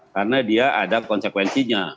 karena dia ada konsekuensinya